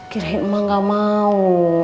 kirain emak gak mau